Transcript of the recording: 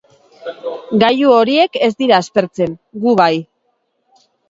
Gailu horiek ez dira aspertzen, gu bai.